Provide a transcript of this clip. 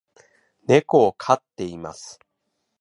猫を飼っています